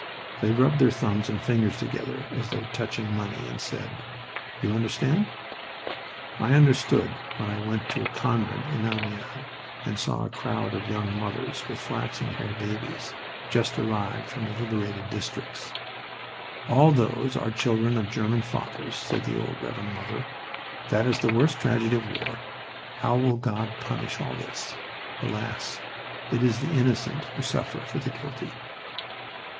They rubbed their thumbs and fingers together as though touching money and said, "You understand?" I understood when I went to a convent in Amiens and saw a crowd of young mothers with flaxen haired babies, just arrived from the liberated districts. "All those are the children of German fathers," said the old Reverend Mother. "That is the worst tragedy of war. How will God punish all this? Alas! it is the innocent who suffer for the guilty."